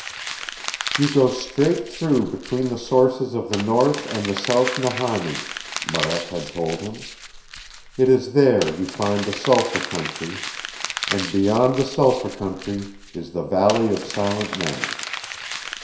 "You go straight through between the sources of the North and the South Nahani," Marette had told him. "It is there you find the Sulphur Country, and beyond the Sulphur Country is the Valley of Silent Men."